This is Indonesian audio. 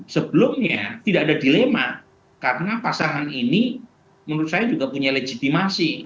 sebelumnya tidak ada dilema karena pasangan ini menurut saya juga punya legitimasi